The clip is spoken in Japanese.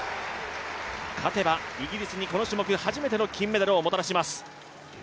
勝てばイギリスにこの種目初めての金メダルをもたらします。